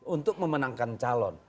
untuk memenangkan calon